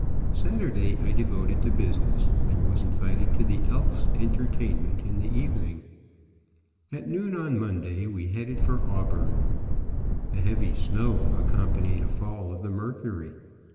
Saturday I devoted to business; and was invited to the Elks' entertainment in the evening. At noon on Monday we headed for Auburn. A heavy snow accompanied a fall of the mercury.